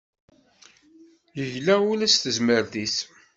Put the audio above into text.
Yegla ula s tezmert-is